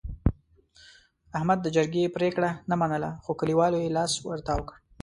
احمد د جرګې پرېګړه نه منله، خو کلیوالو یې لاس ورتاو کړ.